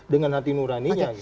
dengan hati nuraninya